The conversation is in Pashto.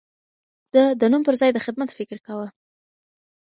ده د نوم پر ځای د خدمت فکر کاوه.